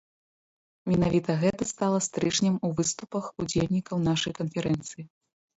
Менавіта гэта стала стрыжнем у выступах удзельнікаў нашай канферэнцыі.